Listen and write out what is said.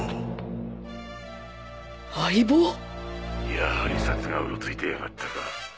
やはり警察がうろついてやがったか。